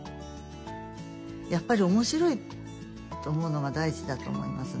やっぱり面白いと思うのが大事だと思いますね。